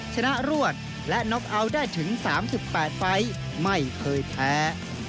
ชนะรวดและน็อกเอาท์ได้ถึง๓๘ไฟล์ไม่เคยแพ้